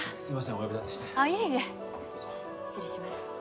お呼びだてしてあっいえいえどうぞ失礼します